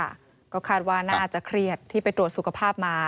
ก็คาดว่าน่าจะเครียดที่ไปตรวจสุขภาพมา